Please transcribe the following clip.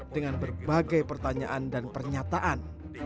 dengan berbagai pertanyaan dan pernyataan